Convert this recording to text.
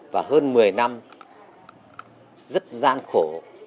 và hơn một mươi năm rất gian khổ